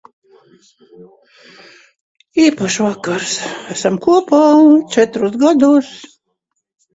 Īpašs vakars. Esam kopā četrus gadus.